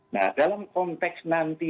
nah dalam konteks nanti